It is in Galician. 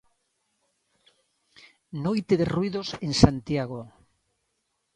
Noite de ruídos en Santiago.